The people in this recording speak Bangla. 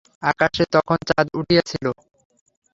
আকাশে তখন চাদ উঠিয়াছিল।